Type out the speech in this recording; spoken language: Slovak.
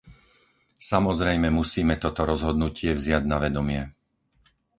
Samozrejme musíme toto rozhodnutie vziať na vedomie.